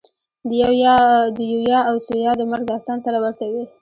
د یویا او ثویا د مرګ داستان سره ورته وي.